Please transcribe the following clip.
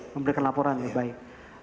memberikan laporan ya baik